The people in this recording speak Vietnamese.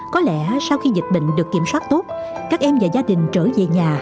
có lẽ sau khi dịch bệnh được kiểm soát tốt các em và gia đình trở về nhà